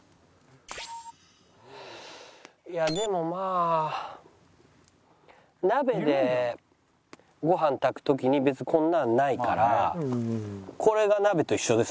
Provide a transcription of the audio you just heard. いやでもまあ鍋でご飯炊く時に別にこんなのないからこれが鍋と一緒ですもんね？